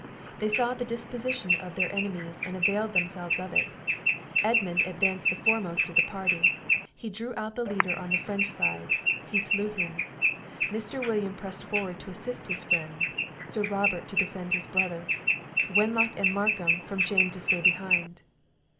They saw the disposition of their enemies, and availed themselves of it. Edmund advanced the foremost of the party; he drew out the leader on the French side; he slew him. Mr. William pressed forward to assist his friend; Sir Robert, to defend his brother; Wenlock, and Markham, from shame to stay behind.